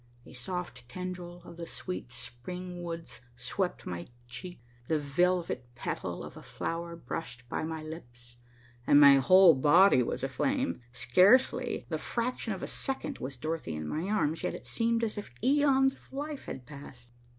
A soft tendril of the sweet spring woods swept my cheek, the velvet petal of a flower brushed by my lips, and my whole body was aflame. Scarcely the fraction of a second was Dorothy in my arms, yet it seemed as if eons of life had passed.